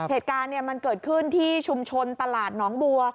เหตุการณ์มันเกิดขึ้นที่ชุมชนตลาดหนองบัว